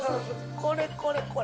これこれこれ。